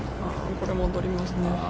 これも戻りますね。